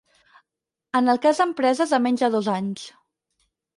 En el cas d'empreses de menys de dos anys.